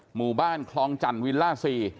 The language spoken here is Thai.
หมู่บ้านคลองจันทร์วิลล่า๔